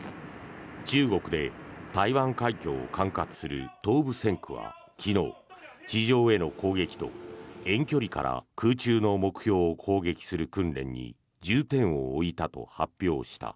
中国で台湾海峡を管轄する東部戦区は昨日地上への攻撃と遠距離から空中の目標を攻撃する訓練に重点を置いたと発表した。